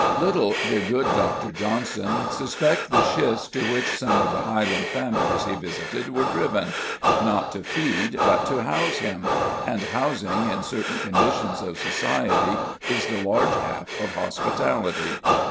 Little did good Doctor Johnson suspect the shifts to which some of the highland families he visited were driven not to feed, but to house him: and housing in certain conditions of society is the large half of hospitality.